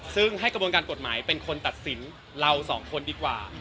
ซึ่งให้กระบวนการกฎหมายเป็นคนตัดสินเราสองคนดีกว่า